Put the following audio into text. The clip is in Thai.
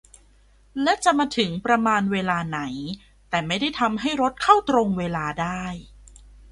และจะมาถึงประมาณเวลาไหน - แต่ไม่ได้ทำให้รถเข้าตรงเวลาได้